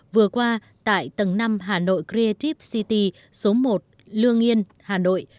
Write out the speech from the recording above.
vừa qua tại tầng năm hà nội gretip city số một lương yên hà nội